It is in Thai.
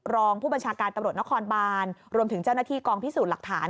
รองผู้บัญชาการตำรวจนครบานรวมถึงเจ้าหน้าที่กองพิสูจน์หลักฐาน